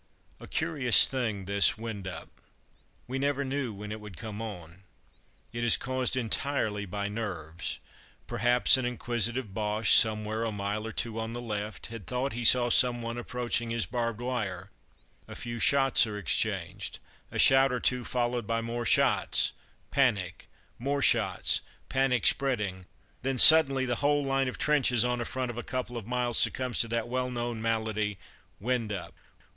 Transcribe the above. A curious thing, this "wind up." We never knew when it would come on. It is caused entirely by nerves. Perhaps an inquisitive Boche, somewhere a mile or two on the left, had thought he saw someone approaching his barbed wire; a few shots are exchanged a shout or two, followed by more shots panic more shots panic spreading then suddenly the whole line of trenches on a front of a couple of miles succumbs to that well known malady, "wind up."